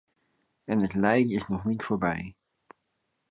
En het lijden is nog niet voorbij.